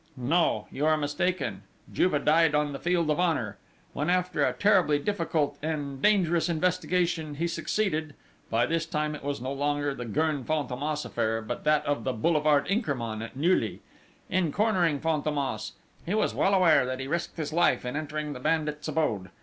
"No! You are mistaken! Juve died on the field of honour! When, after a terribly difficult and dangerous investigation, he succeeded (by this time it was no longer the Gurn Fantômas affair, but that of the boulevard Inkermann at Neuilly) in cornering Fantômas, he was well aware that he risked his life in entering the bandit's abode.